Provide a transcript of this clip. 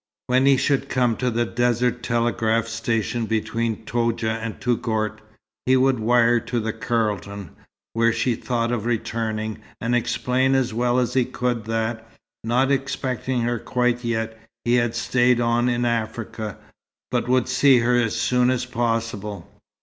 When he should come to the desert telegraph station between Toudja and Touggourt, he would wire to the Carlton, where she thought of returning, and explain as well as he could that, not expecting her quite yet, he had stayed on in Africa, but would see her as soon as possible.